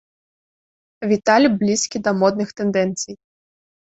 Віталь блізкі да модных тэндэнцый.